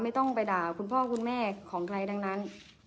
ไม่ต้องไปด่าคุณพ่อคุณแม่ของใครดังนั้น